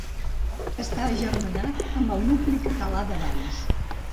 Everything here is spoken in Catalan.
Està agermanat amb el municipi català de Valls.